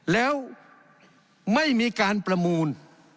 แล้วไม่มีการประมูล